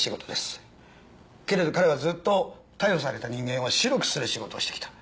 けれど彼はずっと逮捕された人間を白くする仕事をしてきた。